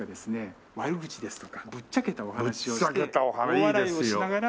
悪口ですとかぶっちゃけたお話をして大笑いをしながら。